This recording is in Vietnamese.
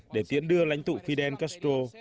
để tiễn đưa lãnh tụ fidel castro